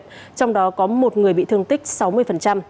trong đó có một người bị thương tích sáu mươi